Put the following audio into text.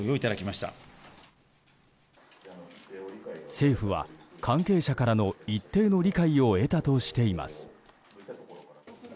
政府は、関係者からの一定の理解を得たとしています。